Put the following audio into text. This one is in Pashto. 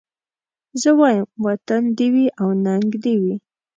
زه وايم وطن دي وي او ننګ دي وي